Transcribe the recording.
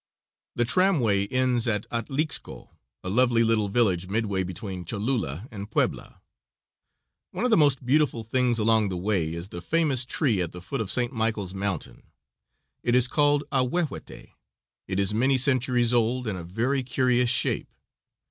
The tramway ends at Atlixco, a lovely little village midway between Cholula and Puebla. One of the most beautiful things along the way is the famous tree at the foot of St. Michael's Mountain. It is called Ahuehuete. It is many centuries old and a very curious shape.